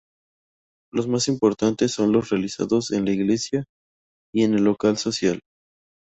Los "más importantes" son los realizados en la iglesia y en el Local Social.